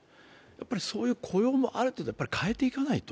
そういう雇用もある程度変えていかないと。